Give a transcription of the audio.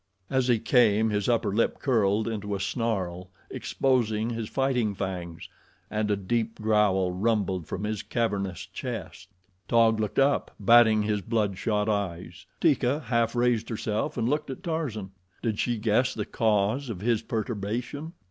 As he came his upper lip curled into a snarl, exposing his fighting fangs, and a deep growl rumbled from his cavernous chest. Taug looked up, batting his blood shot eyes. Teeka half raised herself and looked at Tarzan. Did she guess the cause of his perturbation?